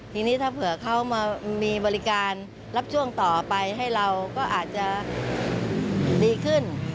ทีนี้ถ้าเผื่อเขามามีบริการรับช่วงต่อไปให้เราก็อาจจะดีขึ้น